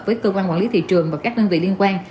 với cơ quan quản lý thị trường và các đơn vị liên quan